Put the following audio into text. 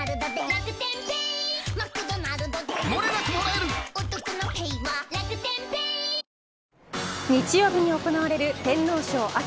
え．．．日曜日に行われる天皇賞・秋。